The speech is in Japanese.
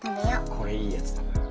これいいやつだから。